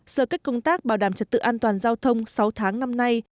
sở kết công tác bảo đảm trật tự an toàn giao thông sáu tháng năm nay